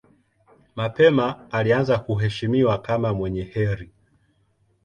Mapema alianza kuheshimiwa kama mwenye heri.